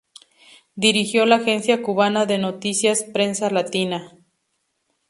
Dirigió la agencia cubana de notícias "Prensa Latina".